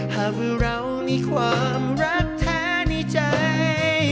หากว่าเรามีความรักแทนนี้ใจ